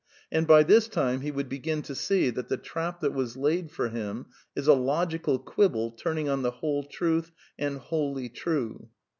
And by this time he would begin to see that the trap that was laid for him is a logical quibble turning o n the ^' w hole ^ truth " and '' wholly tnifi.